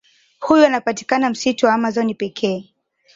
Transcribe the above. Huyu anapatikana msitu wa amazon pekee